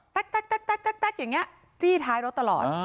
แก๊กอย่างนี้จี้ท้ายรถตลอด